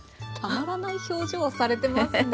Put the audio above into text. たまらない表情をされてますね。